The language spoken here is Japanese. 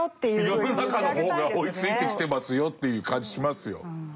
世の中の方が追いついてきてますよという感じしますよ。